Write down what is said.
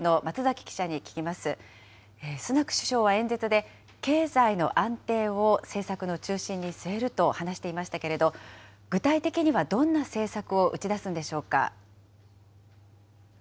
首相は演説で、経済の安定を政策の中心に据えると話していましたけれど、具体的にはどんな政策を打ち出すんでしょうか。